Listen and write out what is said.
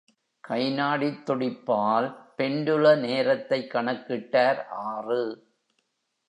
கை நாடித் துடிப்பால் பெண்டுல நேரத்தை கணக்கிட்டார் ஆறு.